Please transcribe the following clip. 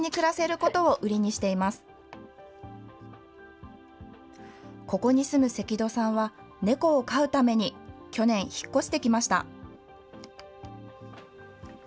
ここに住む関戸さんは、猫を飼うために去年、引っ越してきました。